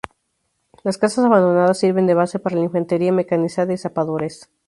Las casas abandonadas sirven de base para la infantería mecanizada y zapadores.